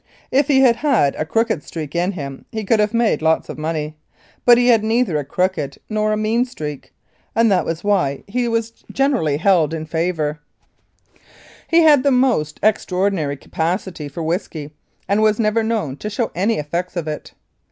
If he had had a crooked streak in him he could have made lots of money, but he had neither a crooked nor a mean streak, and that was why he was generally held in ;o 1890 97. Lethbridge favour. He had the most extraordinary capacity for whisky, and was never known to show any effects of it.